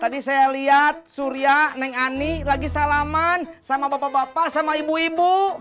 tadi saya lihat surya neng ani lagi salaman sama bapak bapak sama ibu ibu